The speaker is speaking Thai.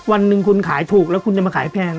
วันหนึ่งคุณขายถูกแล้วคุณจะมาขายแพง